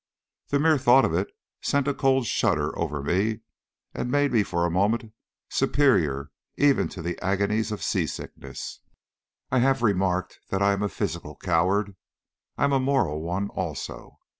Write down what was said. The mere thought of it sent a cold shudder over me, and made me for a moment superior even to the agonies of sea sickness. I have remarked that I am a physical coward. I am a moral one also.